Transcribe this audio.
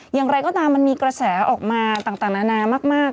อย่างไรก็ตามมันมีกระแสออกมาต่างนานามาก